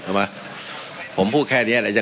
มันมีมาต่อเนื่องมีเหตุการณ์ที่ไม่เคยเกิดขึ้น